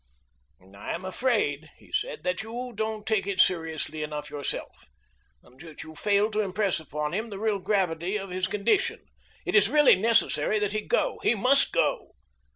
"I am afraid," he said, "that you don't take it seriously enough yourself, and that you failed to impress upon him the real gravity of his condition. It is really necessary that he go he must go."